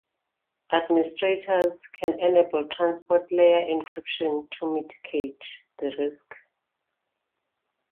Administrators can enable transport layer encryption to mitigate this risk.